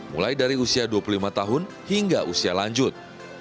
mulai dari usia dua puluh lima tahun hingga usia lanjut